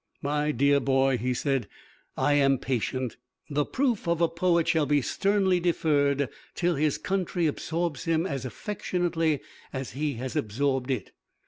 "My dear boy," he said, "I am patient. The proof of a poet shall be sternly deferred till his country absorbs him as affectionately as he has absorbed it.